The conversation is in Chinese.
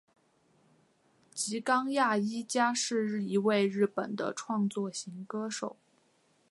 吉冈亚衣加是一位日本的创作型歌手。